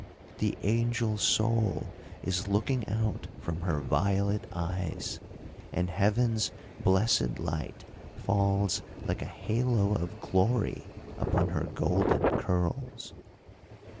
"The angel soul is looking out from her violet eyes, and heaven's blessed light falls like a halo of glory upon her golden curls."